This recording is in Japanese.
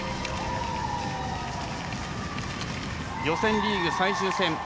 予選リーグ最終戦。